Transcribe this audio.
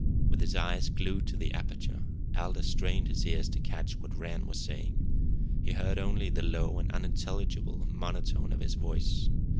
With his eyes glued to the aperture, Aldous strained his ears to catch what Rann was saying. He heard only the low and unintelligible monotone of his voice.